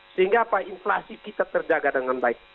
sehingga apa inflasi kita terjaga dengan baik